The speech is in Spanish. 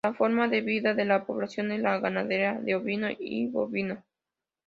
La forma de vida de la población es la ganadería de ovino y bovino.